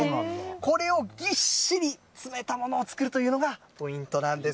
これをぎっしり詰めたものを作るというのが、ポイントなんです。